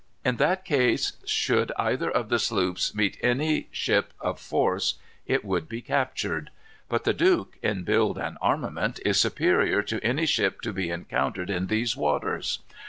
In that case, should either of the sloops meet any ship of force, it would be captured. But the Duke, in build and armament, is superior to any ship to be encountered in these waters.